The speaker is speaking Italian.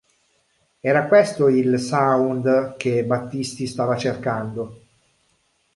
Era questo il "sound" che Battisti stava cercando.